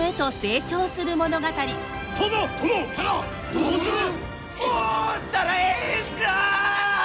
どうしたらええんじゃあ！